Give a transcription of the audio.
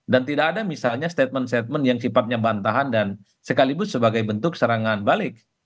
dan tidak ada misalnya statement statement yang sifatnya bantahan dan sekalipun sebagai bentuk serangan balik